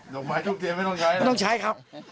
น้องไม้ทุกทีไม่ต้องใช้หรอไม่ต้องใช้ครับ